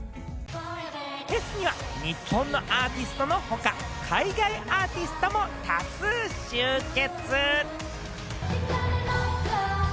フェスには日本のアーティストの他、海外アーティストも多数集結！